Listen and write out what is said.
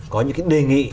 có những cái đề nghị